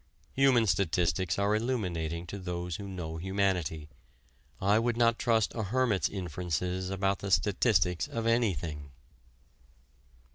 Human statistics are illuminating to those who know humanity. I would not trust a hermit's inferences about the statistics of anything.